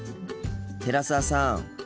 寺澤さん